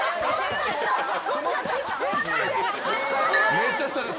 めっちゃ下です。